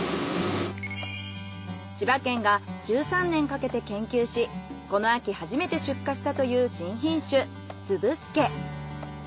千葉県が１３年かけて研究しこの秋初めて出荷したという新品種粒すけ。